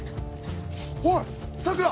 おいさくら！